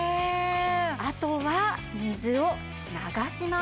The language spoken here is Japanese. あとは水を流します。